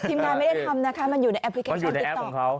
งานไม่ได้ทำนะคะมันอยู่ในแอปพลิเคชันติ๊กต๊อก